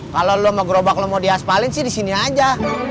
kalau lu sama gerobak lu mau diaspalin sih disini aja